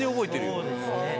そうですね。